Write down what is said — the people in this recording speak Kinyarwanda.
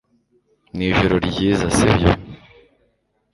Ni ijoro ryiza, sibyo?